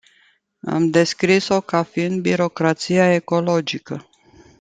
Am descris-o ca fiind "birocrația ecologică”.